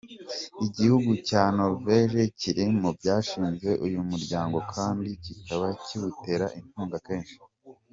Igihugu cya Norvege kiri mu byashinze uyu muryango kandi kikaba kiwutera inkunga kenshi.